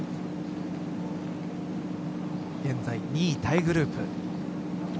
現在２位タイグループ。